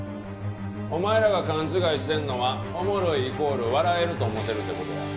お前らが勘違いしてんのはおもろいイコール笑えると思うてるって事や。